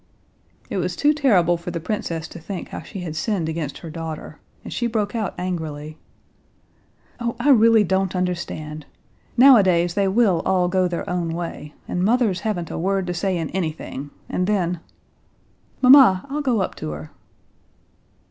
It was too terrible for the princess to think how she had sinned against her daughter, and she broke out angrily. "Oh, I really don't understand! Nowadays they will all go their own way, and mothers haven't a word to say in anything, and then...." "Mamma, I'll go up to her."